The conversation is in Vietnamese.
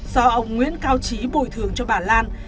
do ông nguyễn cao trí bồi thường cho bà lan